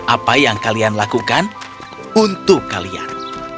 apa yang kalian lakukan untuk kalian